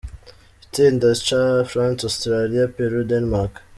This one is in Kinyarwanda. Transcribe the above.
Itsinda C: France, Australia, Peru, Denmark.